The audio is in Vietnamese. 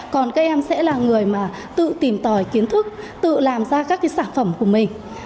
còn các em sẽ là người mà tự tìm tòi kiến thức tự làm ra các cái sản phẩm của mình